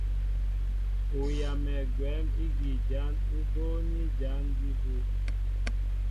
Ú yamɛ gwɛ̌m ígi jǎn ú bóóní jǎn jí bū.